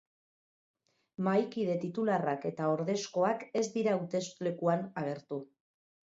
Mahaikide titularrak eta ordezkoak ez dira hauteslekuan agertu.